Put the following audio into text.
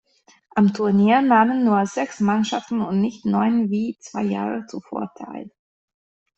Am Turnier nahmen nur sechs Mannschaften und nicht neun wie zwei Jahre zuvor teil.